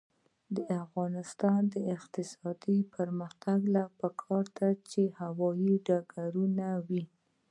د افغانستان د اقتصادي پرمختګ لپاره پکار ده چې هوايي ډګرونه وي.